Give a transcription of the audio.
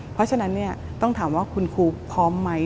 เพราะฉะนั้นต้องถามว่าคุณครูพร้อมไหม